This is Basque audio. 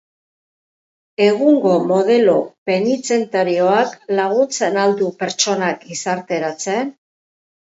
Egungo modelo penitentziarioak laguntzen al du pertsonak gizarteratzen?